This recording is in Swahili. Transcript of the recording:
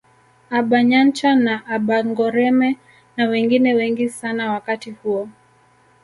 Abanyancha na abangoreme na wengine wengi sana wakati huo